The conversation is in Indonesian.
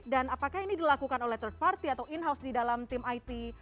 dan apakah ini dilakukan oleh third party atau in house di dalam tim it